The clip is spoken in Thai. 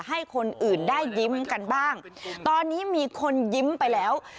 ให้คนอื่นได้ยิ้มกันบ้างตอนนี้มีคนยิ้มไปแล้ว